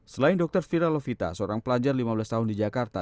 selain dr fira lovita seorang pelajar lima belas tahun di jakarta